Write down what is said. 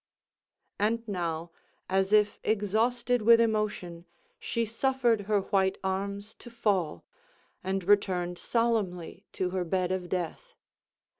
And now, as if exhausted with emotion, she suffered her white arms to fall, and returned solemnly to her bed of death.